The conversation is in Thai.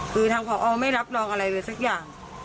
คือทางผอไม่รับรองอะไรเลยสักอย่าง